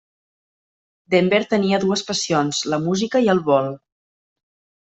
Denver tenia dues passions: la música i el vol.